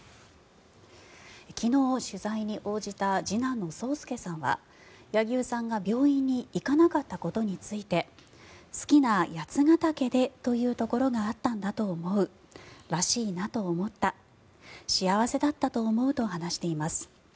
昨日、取材に応じた次男の宗助さんは柳生さんが病院に行かなかったことについて好きな八ケ岳でというところがあったんだと思うらしいなと思った幸せだったと思うと話しています。